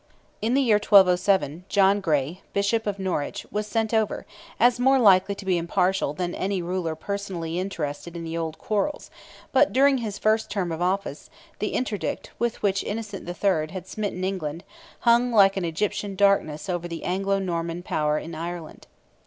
In the year 1207, John Gray, Bishop of Norwich, was sent over, as more likely to be impartial than any ruler personally interested in the old quarrels, but during his first term of office, the interdict with which Innocent III. had smitten England, hung like an Egyptian darkness over the Anglo Norman power in Ireland.